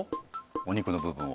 お肉の部分を。